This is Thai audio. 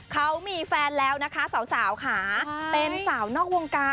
เขามีแฟนแล้วสาวค่ะ